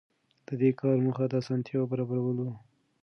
د دې کار موخه د اسانتیاوو برابرول وو.